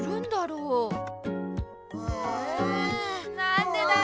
うんなんでだろう？